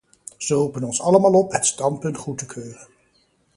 Zij roepen ons allemaal op het standpunt goed te keuren.